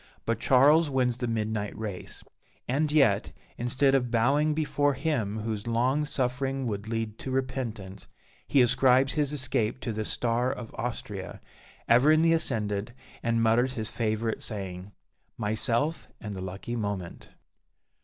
But Charles wins the midnight race; and yet, instead of bowing before Him whose "long suffering would lead to repentance," he ascribes his escape to the "star of Austria," ever in the ascendant, and mutters his favourite saying, "Myself, and the lucky moment."